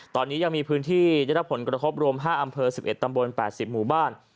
ตอนนี้ยังมีพื้นที่ได้รับผลกระทบรวม๕อำเภอ๑๑ตำบล๘๐หมู่บ้าน